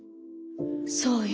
そうよ。